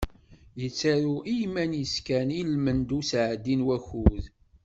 Yettaru i yiman-is kan i lmend n usεeddi n wakud.